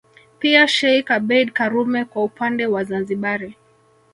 Pia Sheikh Abeid Amani Karume kwa upande wa Zanzibari